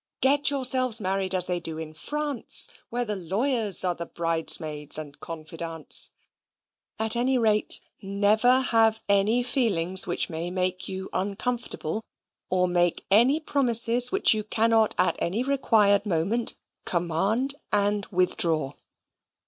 Get yourselves married as they do in France, where the lawyers are the bridesmaids and confidantes. At any rate, never have any feelings which may make you uncomfortable, or make any promises which you cannot at any required moment command and withdraw.